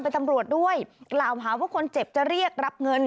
เป็นตำรวจด้วยกล่าวหาว่าคนเจ็บจะเรียกรับเงิน